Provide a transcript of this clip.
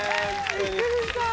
びっくりした。